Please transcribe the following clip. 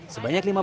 jadi dimakan nih